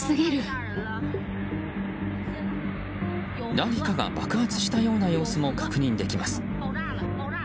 何かが爆発したような様子も確認できます。